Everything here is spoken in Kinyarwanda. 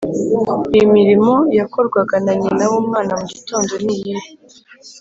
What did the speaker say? Imirimo yakorwaga na nyina w’umwana mu gitondo ni iyihe?